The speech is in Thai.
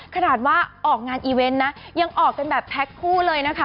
ขนาดว่าออกงานอีเวนต์นะยังออกกันแบบแพ็คคู่เลยนะคะ